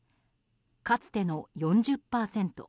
かつての４０％。